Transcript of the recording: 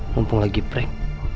mumpung lagi prank